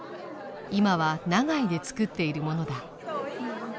今は長井で造っているものだ。